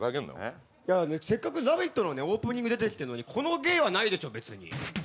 せっかく「ラヴィット！」のオープニング出てきてるのにこの芸はないでしょ、別に。